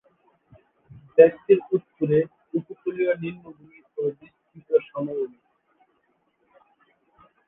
দেশটির উত্তরে উপকূলীয় নিম্নভূমি ও বিস্তৃত সমভূমি।